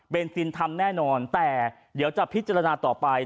เป็นซินทำแน่นอนแต่เดี๋ยวจะพิจารณาต่อไป